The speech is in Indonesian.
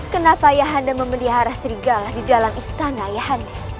kenapa ayahanda memelihara serigala di dalam istana ayahanda